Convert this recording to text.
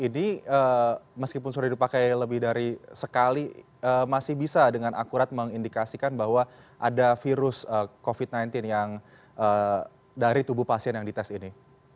ini meskipun sudah dipakai lebih dari sekali masih bisa dengan akurat mengindikasikan bahwa ada virus covid sembilan belas yang dari tubuh pasien yang dites ini